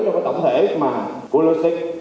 trong cái tổng thể của logistics